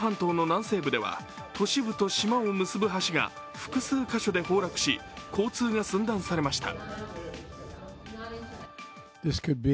フロリダ半島の南西部では都市部と島を結ぶ橋が複数箇所で崩落し、交通が寸断されました。